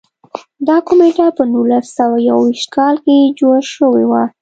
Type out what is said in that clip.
دا کمېټه په نولس سوه یو ویشت کال کې جوړه شوې وه.